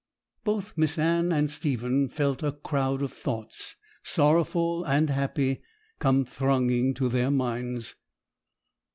Both Miss Anne and Stephen felt a crowd of thoughts, sorrowful and happy, come thronging to their minds.